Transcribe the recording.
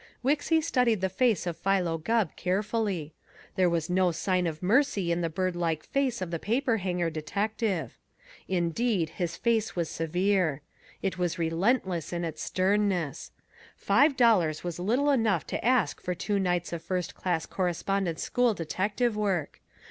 Wixy studied the face of Philo Gubb carefully. There was no sign of mercy in the bird like face of the paper hanger detective. Indeed, his face was severe. It was relentless in its sternness. Five dollars was little enough to ask for two nights of first class Correspondence School detective work.